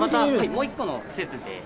もう１個の施設で。